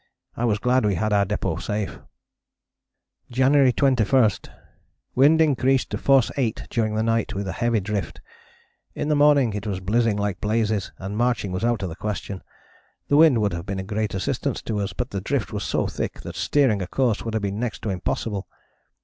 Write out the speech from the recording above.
I was glad we had our depôt safe." "January 21. Wind increased to force 8 during night with heavy drift. In the morning it was blizzing like blazes and marching was out of the question. The wind would have been of great assistance to us, but the drift was so thick that steering a course would have been next to impossible.